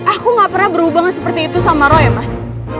aku nggak pernah berubah seperti itu sama roy ya mas